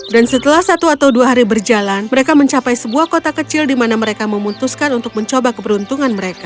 dan setelah satu atau dua hari berjalan mereka mencapai sebuah kota kecil di mana mereka memutuskan untuk mencoba keberuntungan mereka